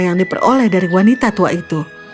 yang diperoleh dari wanita tua itu